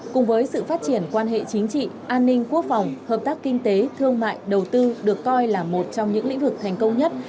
cùng với sự phát triển quan hệ chính trị an ninh quốc phòng hợp tác kinh tế thương mại đầu tư được coi là một trong những lĩnh vực thành công nhất